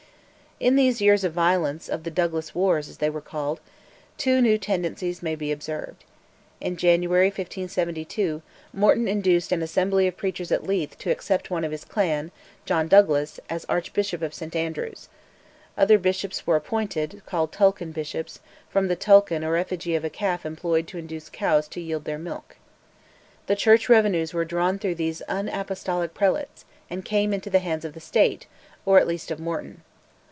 In these years of violence, of "the Douglas wars" as they were called, two new tendencies may be observed. In January 1572, Morton induced an assembly of preachers at Leith to accept one of his clan, John Douglas, as Archbishop of St Andrews: other bishops were appointed, called Tulchan bishops, from the tulchan or effigy of a calf employed to induce cows to yield their milk. The Church revenues were drawn through these unapostolic prelates, and came into the hands of the State, or at least of Morton.